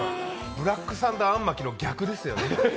ブラックサンダーあん巻きの逆ですよね。